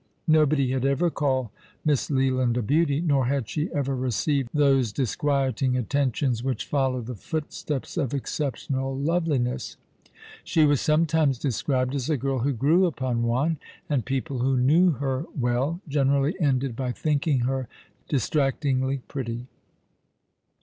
Nobody had ever called Miss Leland a beauty, nor had she ever received those disquieting attentions which follow the foot steps of exceptional loveliness. She was sometimes described as a girl who grew upon one ; and people who knew her well generally ended by thinking her distractingly pretty.